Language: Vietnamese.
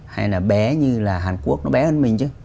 hay là bé như là hàn quốc nó bé hơn mình chứ